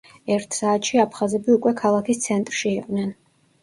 ერთ საათში აფხაზები უკვე ქალაქის ცენტრში იყვნენ.